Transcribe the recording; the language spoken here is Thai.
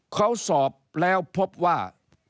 เขาสอบแล้วพบว่า